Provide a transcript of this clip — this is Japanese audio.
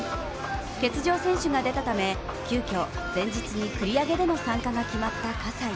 欠場選手が出たため、急きょ、前日に繰り上げでの参加が決まった葛西。